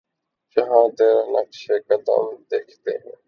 جہاں تیرا نقشِ قدم دیکھتے ہیں